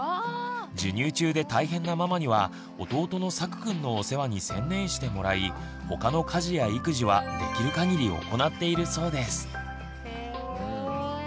授乳中で大変なママには弟のさくくんのお世話に専念してもらい他の家事や育児はできるかぎり行っているそうです。